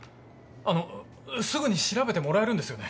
あのすぐに調べてもらえるんですよね？